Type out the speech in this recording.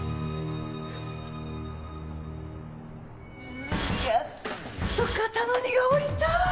うぅやっと肩の荷が下りた！